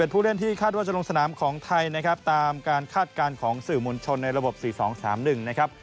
ผู้เล่นที่คาดว่าจะลงสนามของไทยนะครับตามการคาดการณ์ของสื่อมวลชนในระบบ๔๒๓๑นะครับ